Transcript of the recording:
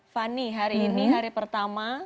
fani hari ini hari pertama